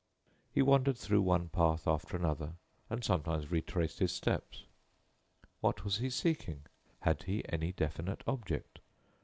He wandered through one path after another, and sometimes retraced his steps. What was he seeking? Had he any definite object?